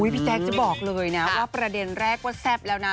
พี่แจ๊คจะบอกเลยนะว่าประเด็นแรกว่าแซ่บแล้วนะ